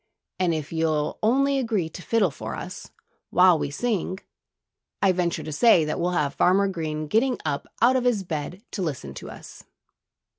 And if you'll only agree to fiddle for us, while we sing, I venture to say that we'll have Farmer Green getting up out of his bed to listen to us."